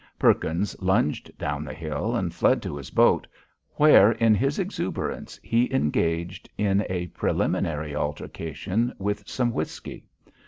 Perkins lunged down the hill, and fled to his boat, where in his exuberance he engaged in a preliminary altercation with some whisky.